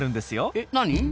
えっ何？